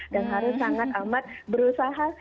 dan harus sangat amat berusaha